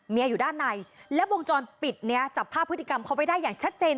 อยู่ด้านในและวงจรปิดเนี้ยจับภาพพฤติกรรมเขาไว้ได้อย่างชัดเจน